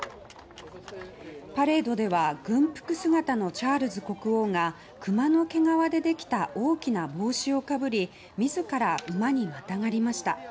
パレードでは軍服姿のチャールズ国王がクマの毛皮でできた大きな帽子をかぶり自ら馬にまたがりました。